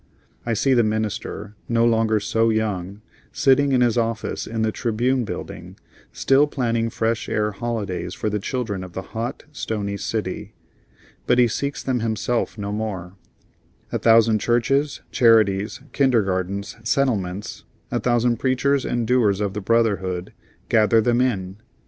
I see the minister, no longer so young, sitting in his office in the "Tribune" building, still planning Fresh Air holidays for the children of the hot, stony city. But he seeks them himself no more. A thousand churches, charities, kindergartens, settlements, a thousand preachers and doers of the brotherhood, gather them in.